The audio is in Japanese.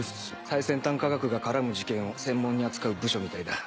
最先端科学が絡む事件を専門に扱う部署みたいだ。